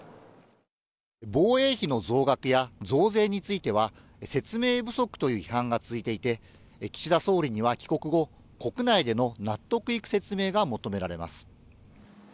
防衛費の増額や増税については、説明不足という批判が続いていて、岸田総理には帰国後、国内での納得のいく説明が求められます。